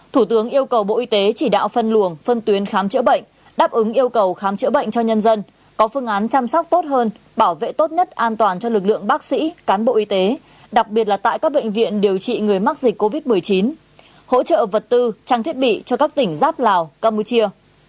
thủ tướng yêu cầu bộ y tế chỉ đạo phân luồng phân tuyến khám chữa bệnh đáp ứng yêu cầu khám chữa bệnh cho nhân dân có phương án chăm sóc tốt hơn bảo vệ tốt nhất an toàn cho lực lượng bác sĩ cán bộ y tế đặc biệt là tại các bệnh viện điều trị người mắc dịch covid một mươi chín hỗ trợ vật tư trang thiết bị cho các tỉnh giáp lào campuchia